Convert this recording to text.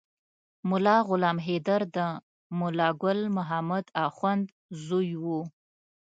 ملا غلام حیدر د ملا ګل محمد اخند زوی و.